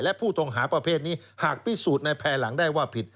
และผู้ต้องหาประเภทนี้หากพิสูจน์ในภายหลังได้ว่าผิด